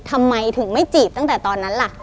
ทำไมถึงไม่จีบตั้งแต่ตอนนั้นล่ะ